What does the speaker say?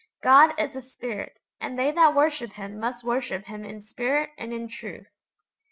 '_God is a Spirit: and they that worship Him must worship Him in spirit and in truth.